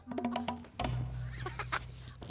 ngapain tuh mikir ting